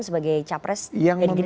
sebagai capres di gerindra